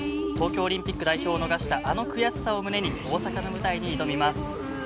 東京オリンピック代表を逃したあの悔しさを胸に大阪の舞台に挑みます。